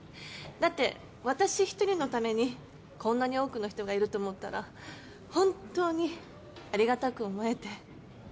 だって私一人のためにこんなに多くの人がいると思ったら本当にありがたく思えて。